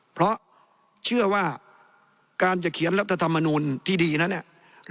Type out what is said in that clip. เพราะเชื่อว่าการจะเขียนรัฐธรรมนูลที่ดีนั้นเนี่ย